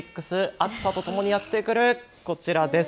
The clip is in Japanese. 暑さとともにやって来るこちらです。